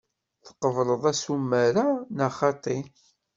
Tqebleḍ asumer-a neɣ xaṭi?